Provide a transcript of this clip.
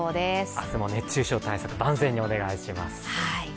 明日も熱中症対策、万全にお願いします。